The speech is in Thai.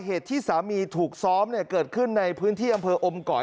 เหตุที่สามีถูกซ้อมเนี่ยเกิดขึ้นในพื้นที่อำเภออมก่อย